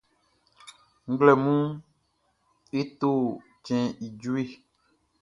Nglɛmunʼn, e to cɛnʼn i jueʼn.